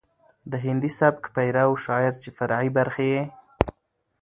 د هندي سبک پيرو شاعر چې فرعي برخې يې